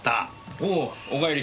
おうお帰り。